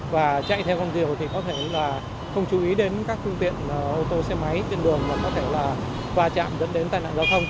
và chạm dẫn đến tai nạn giao thông